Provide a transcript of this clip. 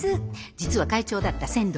実は会長だった千堂。